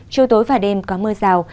trưa tối và đêm có mưa rào